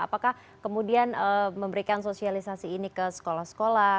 apakah kemudian memberikan sosialisasi ini ke sekolah sekolah